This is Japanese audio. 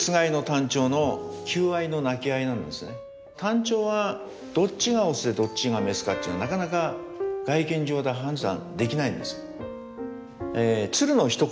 タンチョウはどっちがオスでどっちがメスかっていうのはなかなか外見上で判断できないんです。